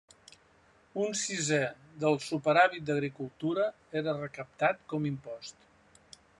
Un sisè del superàvit d'agricultura era recaptat com impost.